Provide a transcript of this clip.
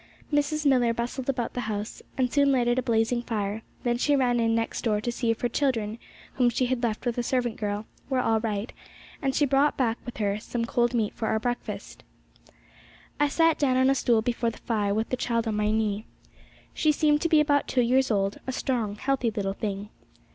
Mrs. Millar bustled about the house, and soon lighted a blazing fire; then she ran in next door to see if her children, whom she had left with a little servant girl, were all right, and she brought back with her some cold meat for our breakfast. I sat down on a stool before the fire, with the child on my knee. She seemed to be about two years old, a strong, healthy little thing.